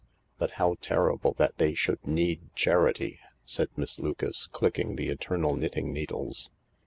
" But how terrible that they should need charity/' said Miss Lucas, clicking the eternal knitting needles.